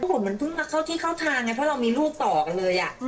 ผลมันเพิ่งมาเข้าที่เข้าทางไงเพราะเรามีลูกต่อกันเลย